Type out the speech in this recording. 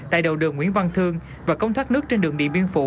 tại đầu đường nguyễn văn thương và công thoát nước trên đường địa miền phủ